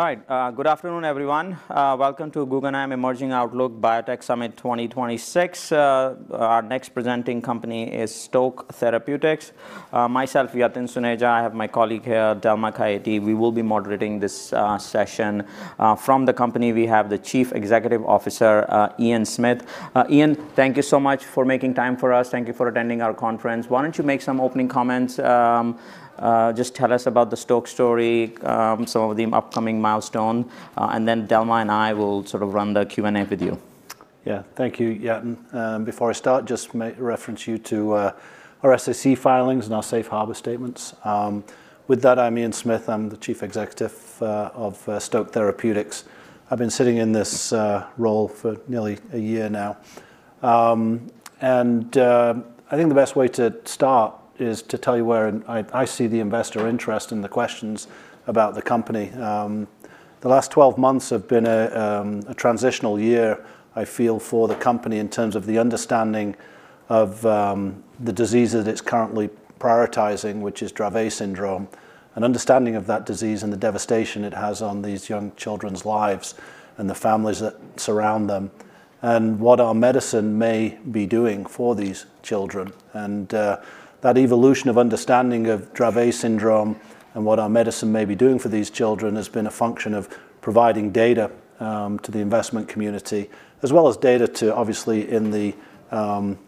All right, good afternoon, everyone. Welcome to Guggenheim Emerging Outlook Biotech Summit 2026. Our next presenting company is Stoke Therapeutics. Myself, Yatin Suneja, I have my colleague here, Delma Caiati. We will be moderating this session. From the company, we have the Chief Executive Officer, Ian Smith. Ian, thank you so much for making time for us. Thank you for attending our conference. Why don't you make some opening comments? Just tell us about the Stoke story, some of the upcoming milestone, and then Delma and I will sort of run the Q&A with you. Yeah. Thank you, Yatin. Before I start, just may reference you to our SEC filings and our safe harbor statements. With that, I'm Ian Smith. I'm the Chief Executive of Stoke Therapeutics. I've been sitting in this role for nearly a year now. I think the best way to start is to tell you where I see the investor interest and the questions about the company. The last 12 months have been a transitional year, I feel for the company, in terms of the understanding of the disease that it's currently prioritizing, which is Dravet syndrome, and understanding of that disease and the devastation it has on these young children's lives and the families that surround them, and what our medicine may be doing for these children. That evolution of understanding of Dravet syndrome and what our medicine may be doing for these children has been a function of providing data to the investment community, as well as data to, obviously, in the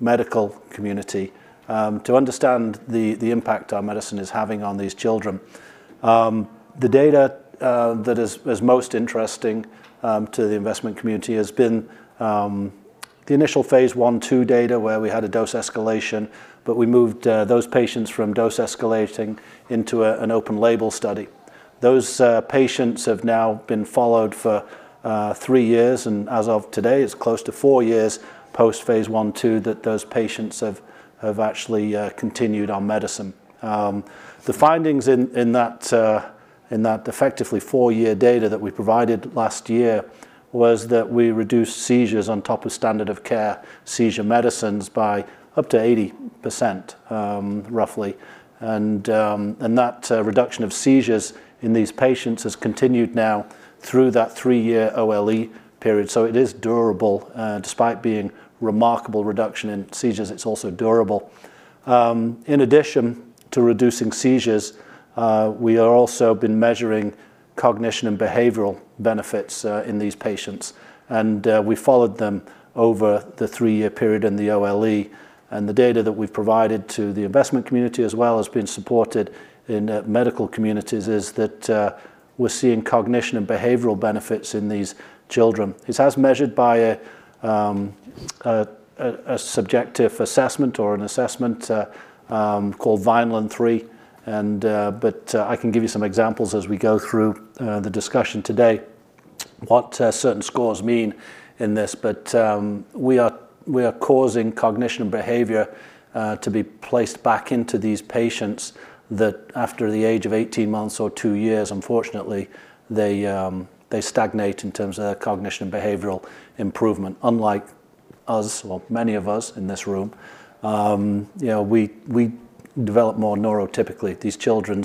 medical community to understand the impact our medicine is having on these children. The data that is most interesting to the investment community has been the initial phase 1/2 data, where we had a dose escalation, but we moved those patients from dose escalating into an open label study. Those patients have now been followed for 3 years, and as of today, it's close to 4 years post phase 1/2 that those patients have actually continued on medicine. The findings in that effectively four-year data that we provided last year was that we reduced seizures on top of standard of care seizure medicines by up to 80%, roughly. And that reduction of seizures in these patients has continued now through that three-year OLE period, so it is durable. And despite being remarkable reduction in seizures, it's also durable. In addition to reducing seizures, we are also been measuring cognition and behavioral benefits in these patients. And we followed them over the three-year period in the OLE, and the data that we've provided to the investment community, as well as being supported in medical communities, is that we're seeing cognition and behavioral benefits in these children. It's as measured by a subjective assessment or an assessment called Vineland-3. I can give you some examples as we go through the discussion today, what certain scores mean in this. But we are causing cognition and behavior to be placed back into these patients, that after the age of 18 months or 2 years, unfortunately, they stagnate in terms of their cognition and behavioral improvement. Unlike us, well, many of us in this room, you know, we develop more neurotypically. These children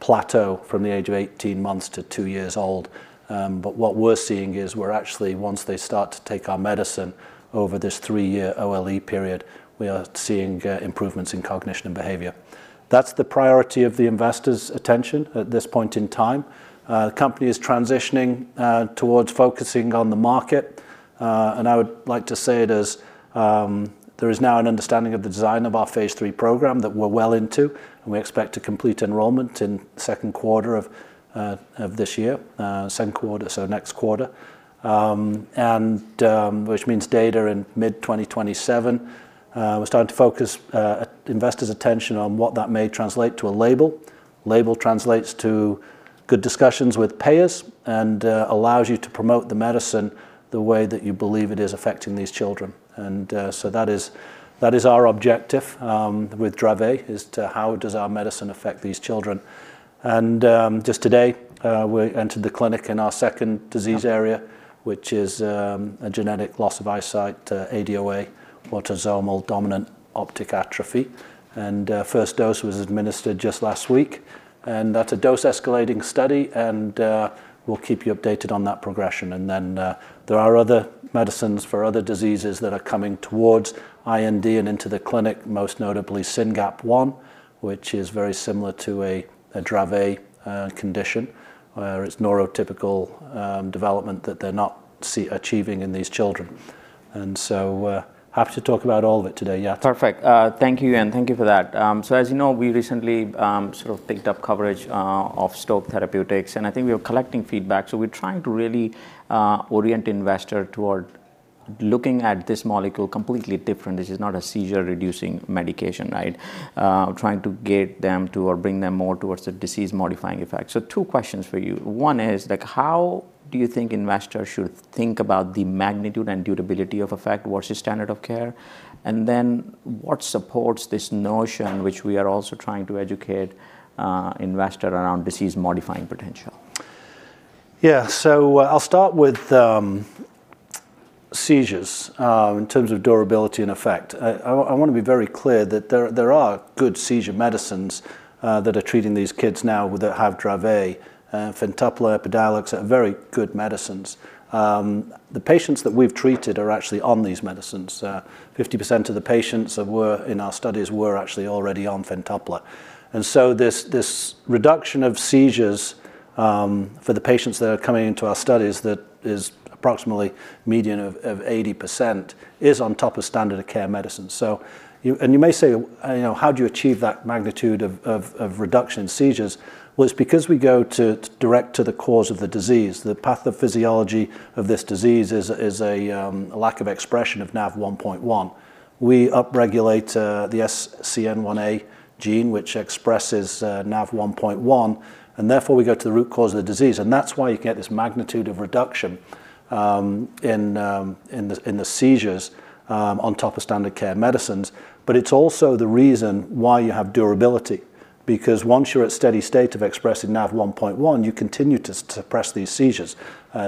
plateau from the age of 18 months to 2 years old, but what we're seeing is, we're actually, once they start to take our medicine over this 3-year OLE period, we are seeing improvements in cognition and behavior. That's the priority of the investors' attention at this point in time. The company is transitioning towards focusing on the market, and I would like to say it as, there is now an understanding of the design of our phase 3 program that we're well into, and we expect to complete enrollment in second quarter of this year, second quarter, so next quarter, which means data in mid-2027. We're starting to focus investors' attention on what that may translate to a label. Label translates to good discussions with payers and allows you to promote the medicine the way that you believe it is affecting these children. So that is, that is our objective with Dravet, is to how does our medicine affect these children? And, just today, we entered the clinic in our second disease area, which is a genetic loss of eyesight, ADOA, Autosomal Dominant Optic Atrophy, and first dose was administered just last week. And that's a dose-escalating study, and we'll keep you updated on that progression. And then, there are other medicines for other diseases that are coming towards IND and into the clinic, most notably SYNGAP1, which is very similar to a Dravet condition, where it's neurotypical development that they're not achieving in these children. And so, happy to talk about all of it today. Yeah. Perfect. Thank you, Ian. Thank you for that. So as you know, we recently sort of picked up coverage of Stoke Therapeutics, and I think we are collecting feedback. So we're trying to really orient investor toward looking at this molecule completely different. This is not a seizure-reducing medication, right? Trying to get them to or bring them more towards the disease-modifying effect. So two questions for you. One is, like, how do you think investors should think about the magnitude and durability of effect versus standard of care? And then, what supports this notion, which we are also trying to educate investor around disease-modifying potential? Yeah. So I'll start with seizures in terms of durability and effect. I wanna be very clear that there are good seizure medicines that are treating these kids now with Dravet. Fintepla, Epidiolex are very good medicines. The patients that we've treated are actually on these medicines. 50% of the patients that were in our studies were actually already on Fintepla. And so this reduction of seizures for the patients that are coming into our studies, that is approximately median of 80%, is on top of standard of care medicine. And you may say, you know, "How do you achieve that magnitude of reduction in seizures?" Well, it's because we go direct to the cause of the disease. The pathophysiology of this disease is a lack of expression of NaV1.1. We upregulate the SCN1A gene, which expresses NaV1.1, and therefore we go to the root cause of the disease, and that's why you get this magnitude of reduction in the seizures on top of standard care medicines. But it's also the reason why you have durability, because once you're at steady state of expressing NaV1.1, you continue to suppress these seizures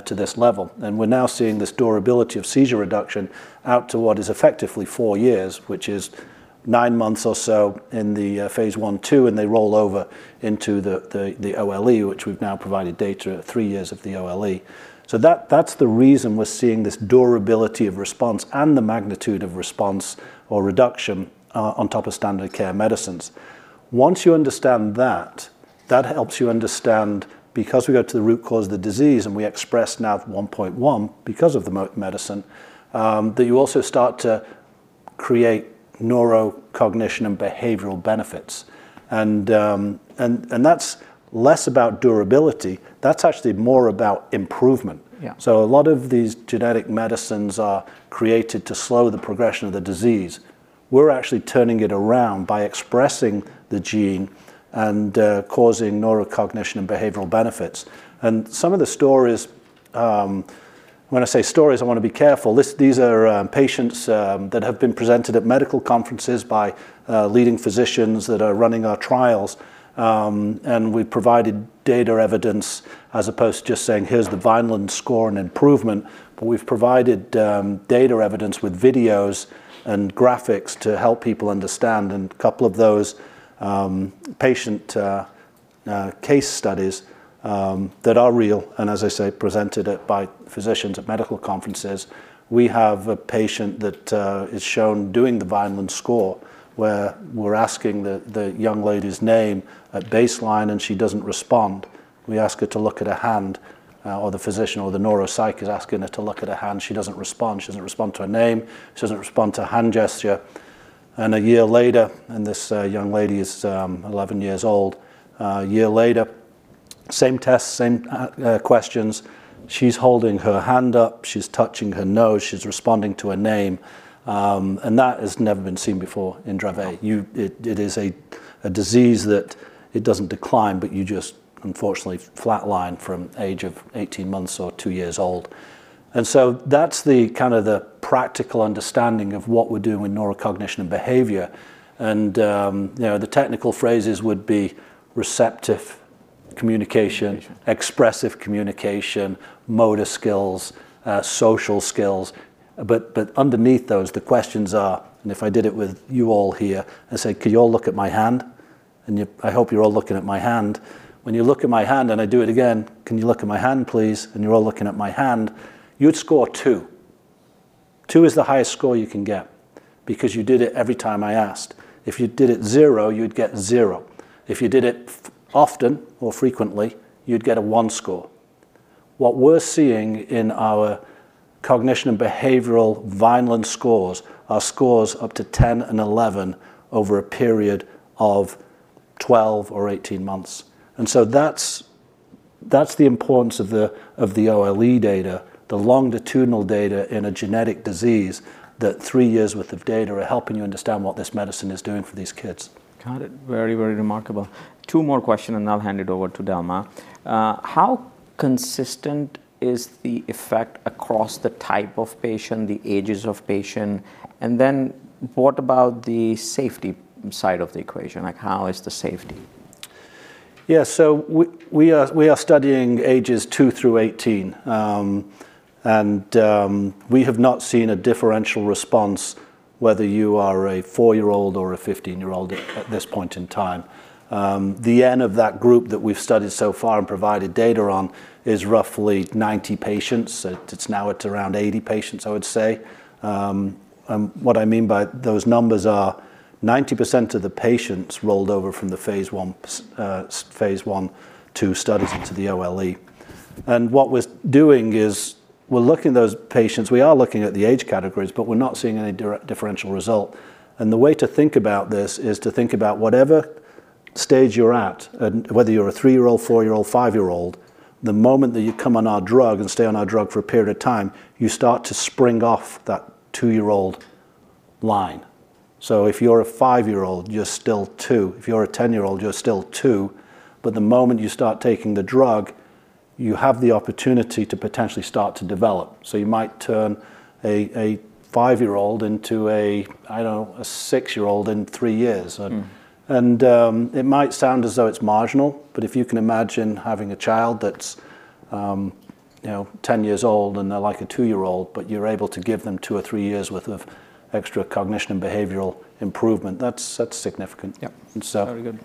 to this level. And we're now seeing this durability of seizure reduction out to what is effectively four years, which is nine months or so in the phase 1, 2, and they roll over into the OLE, which we've now provided data, three years of the OLE. So that's the reason we're seeing this durability of response and the magnitude of response or reduction on top of standard care medicines. Once you understand that, that helps you understand, because we go to the root cause of the disease and we express NaV1.1 because of the medicine that you also start to create neurocognition and behavioral benefits. That's less about durability, that's actually more about improvement. Yeah. So a lot of these genetic medicines are created to slow the progression of the disease. We're actually turning it around by expressing the gene and causing neurocognition and behavioral benefits. And some of the stories. When I say stories, I want to be careful. This, these are patients that have been presented at medical conferences by leading physicians that are running our trials. And we provided data evidence as opposed to just saying, "Here's the Vineland score and improvement," but we've provided data evidence with videos and graphics to help people understand. And a couple of those patient case studies that are real, and as I say, presented at—by physicians at medical conferences. We have a patient that is shown doing the Vineland score, where we're asking the young lady's name at baseline, and she doesn't respond. We ask her to look at her hand, or the physician or the neuropsych is asking her to look at her hand, she doesn't respond. She doesn't respond to her name, she doesn't respond to hand gesture. And a year later, and this young lady is 11 years old, a year later, same test, same questions, she's holding her hand up, she's touching her nose, she's responding to her name. And that has never been seen before in Dravet. Wow! It is a disease that it doesn't decline, but you just unfortunately flatline from age of 18 months or 2 years old. And so that's the kind of the practical understanding of what we're doing with neurocognition and behavior. And, you know, the technical phrases would be receptive communication- Communication. Expressive communication, motor skills, social skills. But underneath those, the questions are, and if I did it with you all here, I say, "Could you all look at my hand?" And you, I hope you're all looking at my hand. When you look at my hand and I do it again, "Can you look at my hand, please?" And you're all looking at my hand, you'd score 2. 2 is the highest score you can get, because you did it every time I asked. If you did it zero, you'd get 0. If you did it often or frequently, you'd get a 1 score. What we're seeing in our cognition and behavioral Vineland scores are scores up to 10 and 11 over a period of 12 or 18 months. And so that's the importance of the OLE data, the longitudinal data in a genetic disease, that three years' worth of data are helping you understand what this medicine is doing for these kids. Got it. Very, very remarkable. Two more questions, and I'll hand it over to Delma. How consistent is the effect across the type of patient, the ages of patients? And then what about the safety side of the equation? Like, how is the safety? Yeah. So we are, we are studying ages 2 through 18. And we have not seen a differential response, whether you are a 4-year-old or a 15-year-old at this point in time. The N of that group that we've studied so far and provided data on is roughly 90 patients. It's now at around 80 patients, I would say. And what I mean by those numbers are 90% of the patients rolled over from the phase 1 studies into the OLE. And what we're doing is, we're looking at those patients, we are looking at the age categories, but we're not seeing any differential result. The way to think about this is to think about whatever stage you're at, and whether you're a 3-year-old, 4-year-old, 5-year-old, the moment that you come on our drug and stay on our drug for a period of time, you start to spring off that 2-year-old line. So if you're a 5-year-old, you're still 2. If you're a 10-year-old, you're still 2. But the moment you start taking the drug, you have the opportunity to potentially start to develop. So you might turn a, a 5-year-old into a, I don't know, a 6-year-old in 3 years. Mm. It might sound as though it's marginal, but if you can imagine having a child that's, you know, 10 years old, and they're like a 2-year-old, but you're able to give them 2 or 3 years' worth of extra cognition and behavioral improvement. That's, that's significant. Yep. And so- Very good.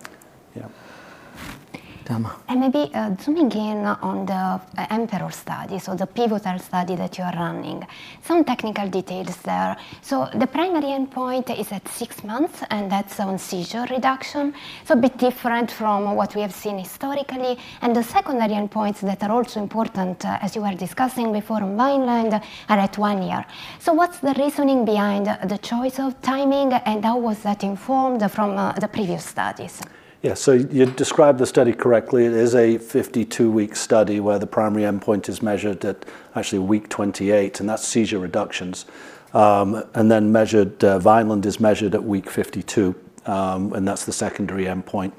Yeah. Delma? And maybe, zooming in on the EMPEROR study, so the pivotal study that you are running, some technical details there. So the primary endpoint is at six months, and that's on seizure reduction, so a bit different from what we have seen historically. And the secondary endpoints that are also important, as you were discussing before, Vineland, are at one year. So what's the reasoning behind the, the choice of timing, and how that informed from, the previous studies? Yeah, so you described the study correctly. It is a 52-week study, where the primary endpoint is measured at actually week 28, and that's seizure reductions. And then Vineland is measured at week 52, and that's the secondary endpoint.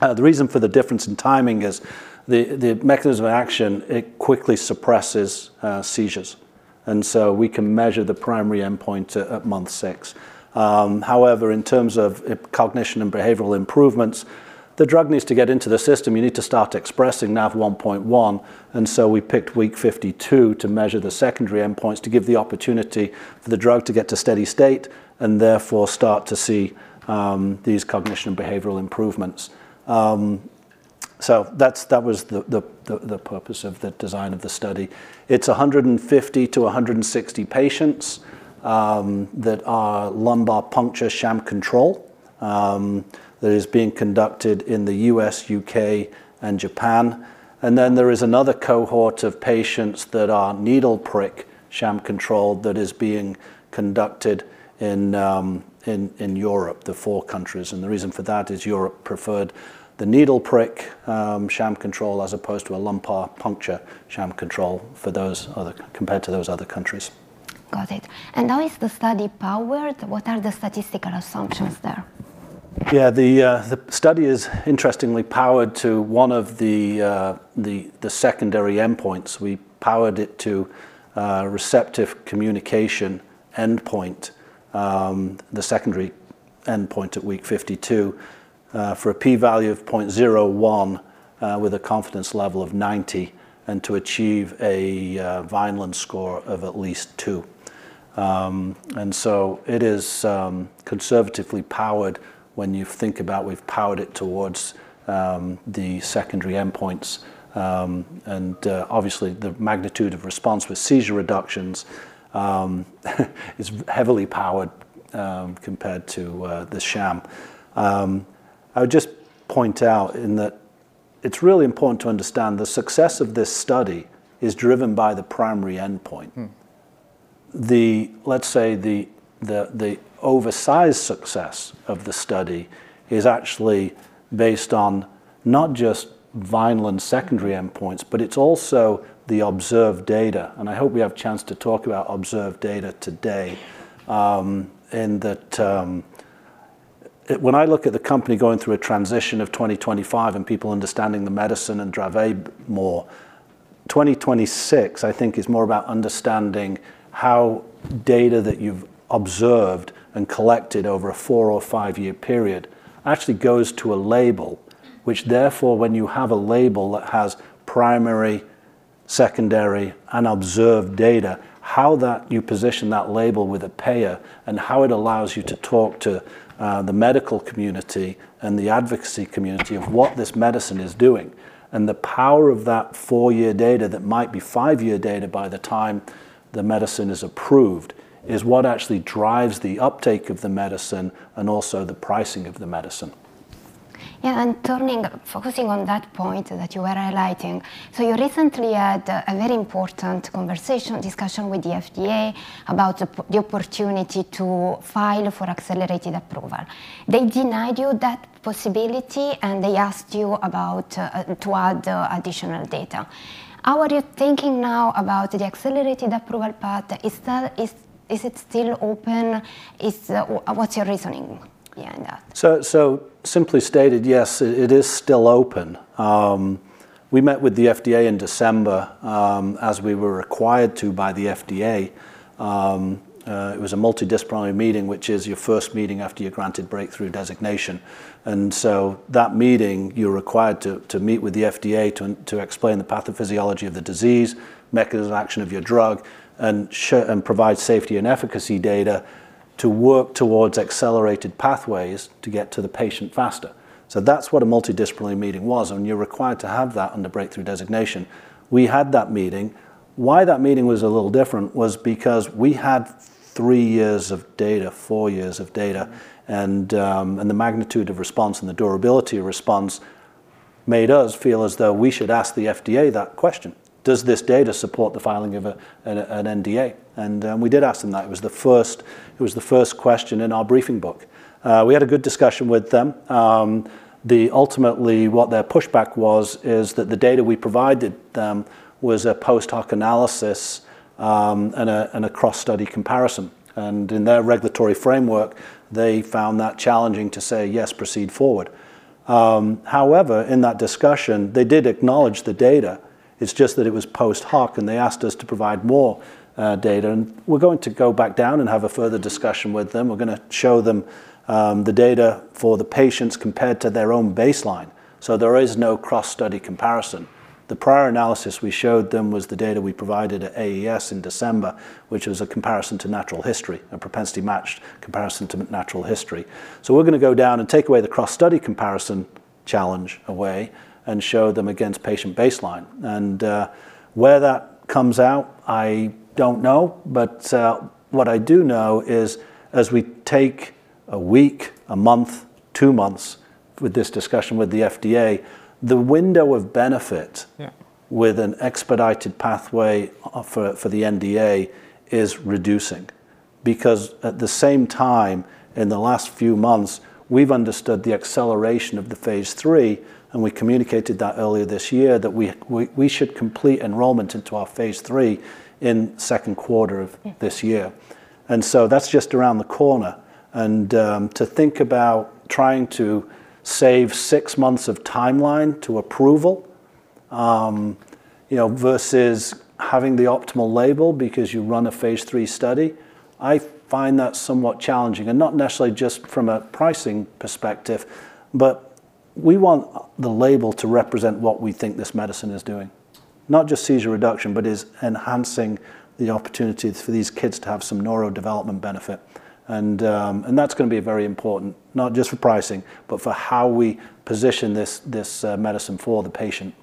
The reason for the difference in timing is the mechanism of action. It quickly suppresses seizures, and so we can measure the primary endpoint at month 6. However, in terms of cognition and behavioral improvements, the drug needs to get into the system. You need to start expressing NaV1.1, and so we picked week 52 to measure the secondary endpoints to give the opportunity for the drug to get to steady state, and therefore start to see these cognition and behavioral improvements. So that's, that was the purpose of the design of the study. It's 150-160 patients that are lumbar puncture sham control that is being conducted in the U.S., U.K., and Japan. And then there is another cohort of patients that are needle prick sham control that is being conducted in Europe, the four countries. And the reason for that is Europe preferred the needle prick sham control as opposed to a lumbar puncture sham control for those other... compared to those other countries. Got it. And how is the study powered? What are the statistical assumptions there? Yeah, the study is interestingly powered to one of the secondary endpoints. We powered it to a receptive communication endpoint, the secondary endpoint at week 52, for a p-value of 0.01, with a confidence level of 90, and to achieve a Vineland score of at least 2. And so it is conservatively powered when you think about we've powered it towards the secondary endpoints. And obviously, the magnitude of response with seizure reductions is heavily powered compared to the sham. I would just point out in that it's really important to understand the success of this study is driven by the primary endpoint. Mm. Let's say the oversize success of the study is actually based on not just Vineland secondary endpoints, but it's also the observed data, and I hope we have a chance to talk about observed data today. When I look at the company going through a transition of 2025 and people understanding the medicine and Dravet more, 2026, I think, is more about understanding how data that you've observed and collected over a 4- or 5-year period actually goes to a label. Which therefore, when you have a label that has primary, secondary, and observed data, how that you position that label with a payer and how it allows you to talk to the medical community and the advocacy community of what this medicine is doing. The power of that 4-year data, that might be 5-year data by the time the medicine is approved, is what actually drives the uptake of the medicine and also the pricing of the medicine. Yeah, and turning, focusing on that point that you were highlighting, so you recently had a very important conversation, discussion with the FDA about the opportunity to file for accelerated approval. They denied you that possibility, and they asked you about to add additional data. How are you thinking now about the accelerated approval path? Is that... Is it still open? Is what's your reasoning yeah, in that? So, so simply stated, yes, it is still open. We met with the FDA in December, as we were required to by the FDA. It was a multidisciplinary meeting, which is your first meeting after you're granted breakthrough designation. And so that meeting, you're required to meet with the FDA to explain the pathophysiology of the disease, mechanism of action of your drug, and provide safety and efficacy data to work towards accelerated pathways to get to the patient faster. So that's what a multidisciplinary meeting was, and you're required to have that on the breakthrough designation. We had that meeting. Why that meeting was a little different was because we had 3 years of data, 4 years of data, and the magnitude of response and the durability of response made us feel as though we should ask the FDA that question: Does this data support the filing of an NDA? And we did ask them that. It was the first question in our briefing book. We had a good discussion with them. Ultimately, what their pushback was, is that the data we provided them was a post hoc analysis and a cross-study comparison. And in their regulatory framework, they found that challenging to say, "Yes, proceed forward." However, in that discussion, they did acknowledge the data. It's just that it was post hoc, and they asked us to provide more data. We're going to go back down and have a further discussion with them. We're gonna show them the data for the patients compared to their own baseline, so there is no cross-study comparison. The prior analysis we showed them was the data we provided at AES in December, which was a comparison to natural history, a propensity-matched comparison to natural history. So we're gonna go down and take away the cross-study comparison challenge away and show them against patient baseline. And where that comes out, I don't know. But what I do know is, as we take a week, a month, two months with this discussion with the FDA, the window of benefit- Yeah with an expedited pathway for the NDA is reducing. Because at the same time, in the last few months, we've understood the acceleration of the Phase III, and we communicated that earlier this year, that we should complete enrollment into our Phase III in second quarter of- Yeah... this year. So that's just around the corner. To think about trying to save six months of timeline to approval, you know, versus having the optimal label because you run a Phase III study, I find that somewhat challenging, and not necessarily just from a pricing perspective. But we want the label to represent what we think this medicine is doing. Not just seizure reduction, but is enhancing the opportunities for these kids to have some neurodevelopment benefit. And that's gonna be very important, not just for pricing, but for how we position this medicine for the patient.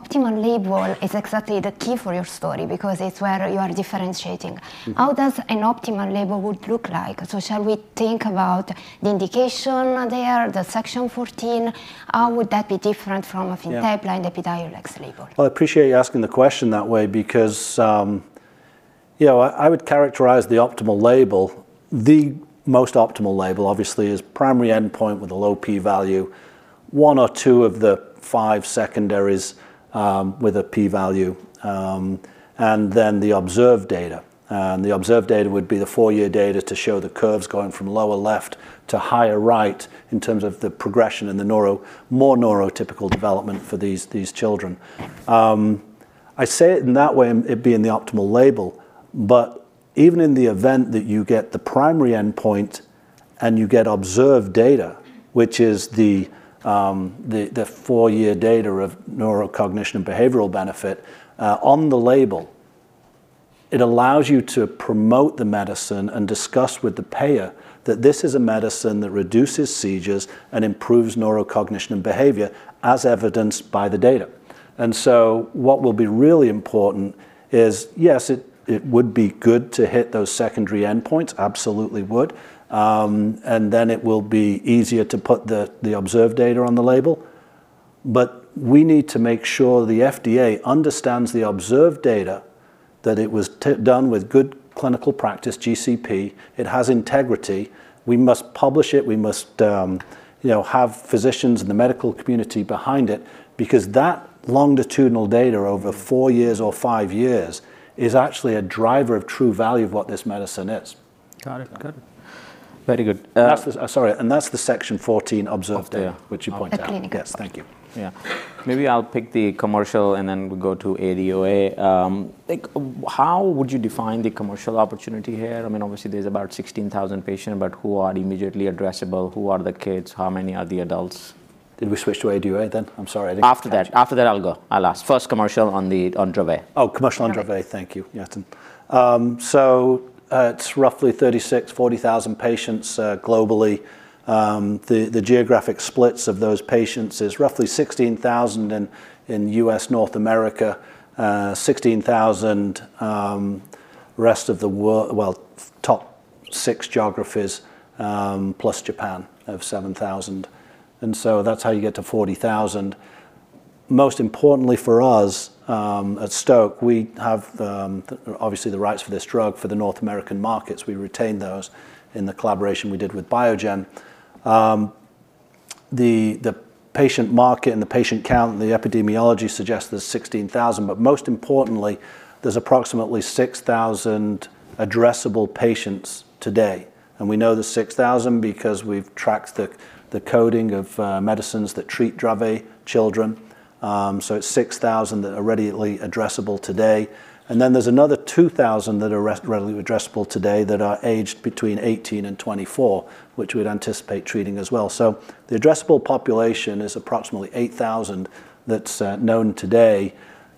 Optimal label is exactly the key for your story because it's where you are differentiating. Mm-hmm. How does an optimal label would look like? So shall we think about the indication there, the Section 14? How would that be different from- Yeah... a fine line Epidiolex label? Well, I appreciate you asking the question that way, because, you know, I, I would characterize the optimal label, the most optimal label, obviously, is primary endpoint with a low p-value, one or two of the five secondaries, with a p-value, and then the observed data. And the observed data would be the four-year data to show the curves going from lower left to higher right in terms of the progression in the neuro- more neurotypical development for these, these children. I say it in that way, it being the optimal label, but even in the event that you get the primary endpoint and you get observed data, which is the four-year data of neurocognition and behavioral benefit, on the label, it allows you to promote the medicine and discuss with the payer that this is a medicine that reduces seizures and improves neurocognition and behavior as evidenced by the data. And so what will be really important is, yes, it would be good to hit those secondary endpoints, absolutely would. And then it will be easier to put the observed data on the label. But we need to make sure the FDA understands the observed data, that it was done with Good Clinical Practice, GCP, it has integrity. We must publish it, we must, you know, have physicians and the medical community behind it, because that longitudinal data over four years or five years is actually a driver of true value of what this medicine is. Got it. Good. Very good. Sorry, and that's the Section 14 observed data- Observed... which you pointed out. Okay, yes. Thank you. Yeah. Maybe I'll pick the commercial, and then we'll go to ADOA. Like, how would you define the commercial opportunity here? I mean, obviously, there's about 16,000 patients, but who are immediately addressable, who are the kids? How many are the adults? Did we switch to ADOA, then? I'm sorry, I- After that, I'll ask. First commercial on Dravet. Oh, commercial on Dravet- Yeah... thank you. Yeah, so, it's roughly 36,000-40,000 patients, globally. The geographic splits of those patients is roughly 16,000 in U.S., North America, 16,000 rest of the world – well, top six geographies, plus Japan, of 7,000. And so that's how you get to 40,000. Most importantly for us, at Stoke, we have, obviously, the rights for this drug for the North American markets. We retained those in the collaboration we did with Biogen. The patient market and the patient count, the epidemiology suggests there's 16,000, but most importantly, there's approximately 6,000 addressable patients today. And we know the 6,000 because we've tracked the coding of medicines that treat Dravet children. So it's 6,000 that are readily addressable today. Then there's another 2,000 that are readily addressable today that are aged between 18-24, which we'd anticipate treating as well. The addressable population is approximately 8,000 that's known today.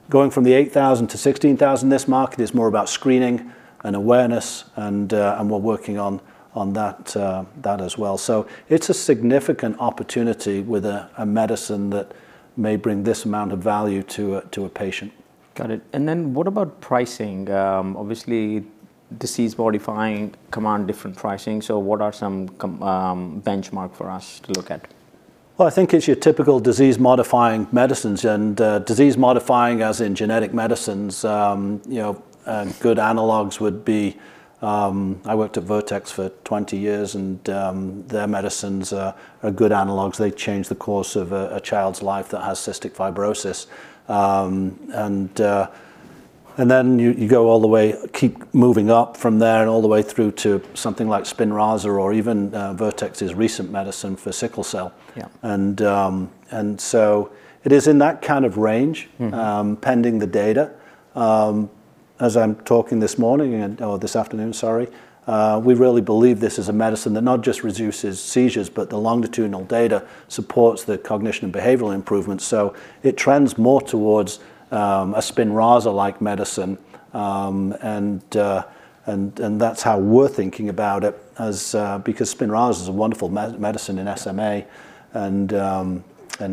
Going from the 8,000-16,000, this market is more about screening and awareness, and we're working on that as well. It's a significant opportunity with a medicine that may bring this amount of value to a patient. Got it. And then what about pricing? Obviously, disease-modifying can demand different pricing, so what are some comps benchmarks for us to look at? Well, I think it's your typical disease-modifying medicines. And, disease-modifying, as in genetic medicines, you know, and good analogues would be... I worked at Vertex for 20 years, and, their medicines are good analogues. They change the course of a child's life that has cystic fibrosis. And then you go all the way, keep moving up from there and all the way through to something like Spinraza or even, Vertex's recent medicine for sickle cell. Yeah. And, and so it is in that kind of range- Mm-hmm... pending the data. As I'm talking this morning, and or this afternoon, sorry, we really believe this is a medicine that not just reduces seizures, but the longitudinal data supports the cognition and behavioral improvements. So it trends more towards a Spinraza-like medicine. And that's how we're thinking about it, as because Spinraza is a wonderful medicine in SMA, and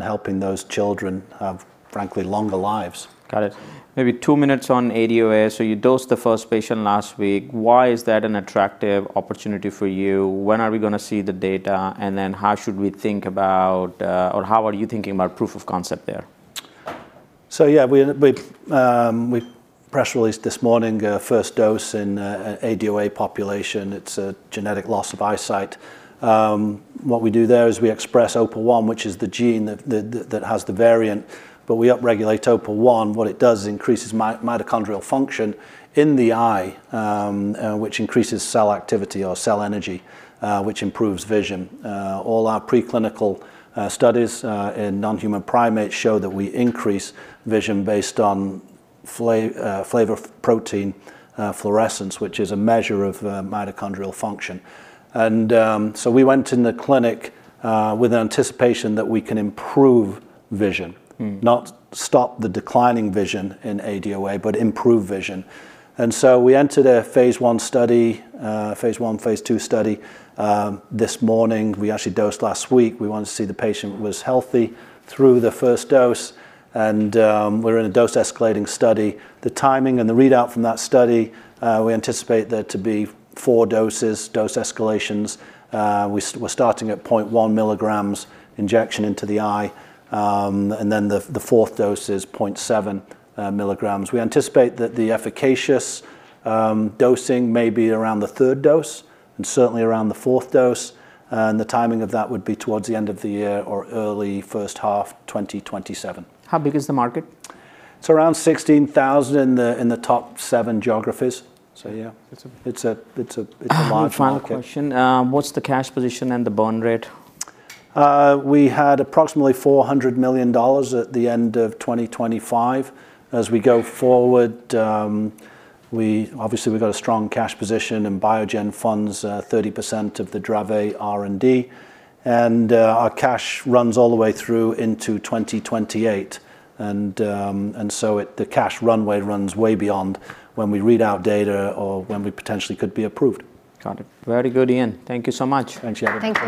helping those children have, frankly, longer lives. Got it. Maybe two minutes on ADOA. So you dosed the first patient last week. Why is that an attractive opportunity for you? When are we gonna see the data? And then how should we think about, or how are you thinking about proof of concept there? So yeah, we press released this morning, first dose in ADOA population. It's a genetic loss of eyesight. What we do there is we express OPA1, which is the gene that has the variant, but we upregulate OPA1. What it does, it increases mitochondrial function in the eye, which increases cell activity or cell energy, which improves vision. All our preclinical studies in non-human primates show that we increase vision based on flavoprotein fluorescence, which is a measure of mitochondrial function. So we went in the clinic with anticipation that we can improve vision- Mm.... not stop the declining vision in ADOA, but improve vision. And so we entered a phase I study, phase I, phase II study, this morning. We actually dosed last week. We wanted to see the patient was healthy through the first dose, and we're in a dose-escalating study. The timing and the readout from that study, we anticipate there to be 4 doses, dose escalations. We're starting at 0.1 milligrams injection into the eye, and then the fourth dose is 0.7 milligrams. We anticipate that the efficacious dosing may be around the third dose, and certainly around the fourth dose, and the timing of that would be towards the end of the year or early first half 2027. How big is the market? It's around 16,000 in the top seven geographies. So yeah- It's a... It's a large market. One final question. What's the cash position and the burn rate? We had approximately $400 million at the end of 2025. As we go forward, obviously, we've got a strong cash position, and Biogen funds 30% of the Dravet R&D. Our cash runs all the way through into 2028. So it, the cash runway runs way beyond when we read out data or when we potentially could be approved. Got it. Very good, Ian. Thank you so much. Thanks, Yatin. Thank you.